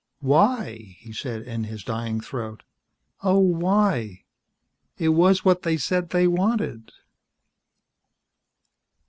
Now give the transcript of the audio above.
"Why?" he said in his dying throat. "Oh, why? It was what they said they wanted."